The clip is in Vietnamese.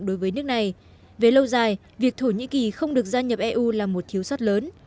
đối với nước này về lâu dài việc thổ nhĩ kỳ không được gia nhập eu là một thiếu sót lớn